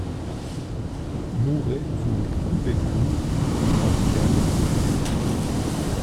Mouret voulut couper court, par une dernière dureté.